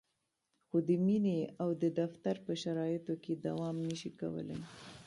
خو د مینې او د دفتر په شرایطو کې دوام نشي کولای.